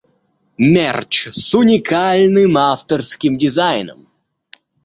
Мерч с уникальным авторским дизайном.